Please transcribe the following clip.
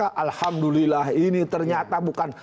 alhamdulillah ini ternyata bukan